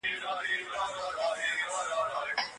دا پیغام ستاسو لپاره یو مهم خبر لري.